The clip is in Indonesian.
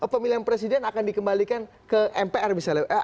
pemilihan presiden akan dikembalikan ke mpr misalnya